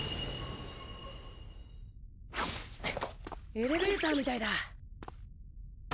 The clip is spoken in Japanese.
エレベーターみたいだ。